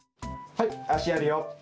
はいあしやるよ。